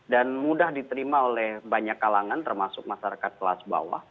dan mudah diterima oleh banyak kalangan termasuk masyarakat kelas bawah